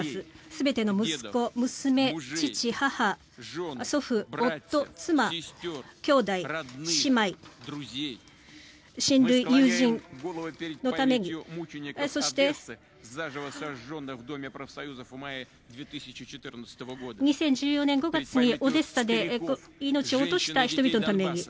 全ての息子、娘父、母、祖父、夫、妻兄弟、姉妹、親類、友人のためにそして２０１４年５月にオデーサで命を落とした人々のために。